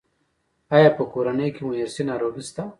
ایا په کورنۍ کې مو ارثي ناروغي شته؟